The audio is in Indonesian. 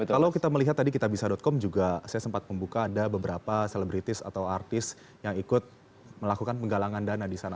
kalau kita melihat tadi kitabisa com juga saya sempat membuka ada beberapa selebritis atau artis yang ikut melakukan penggalangan dana di sana